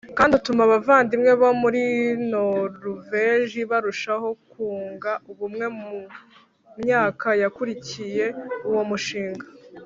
Kandi utuma abavandimwe bo muri noruveje barushaho kunga ubumwe mu myaka yakurikiye uwo mushinga